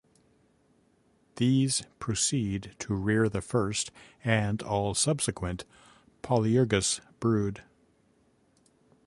These proceed to rear the first and all subsequent "Polyergus" brood.